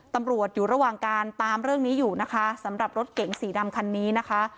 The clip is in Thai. ตำรวจอยู่ระหว่างการตามเรื่องนี้อยู่นะคะสำหรับรถเก๋งสีดำคันนี้นะคะ